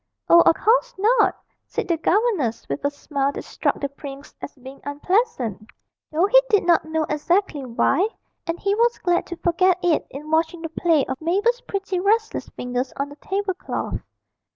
'Oh, of course not,' said the governess, with a smile that struck the prince as being unpleasant though he did not know exactly why, and he was glad to forget it in watching the play of Mabel's pretty restless fingers on the table cloth.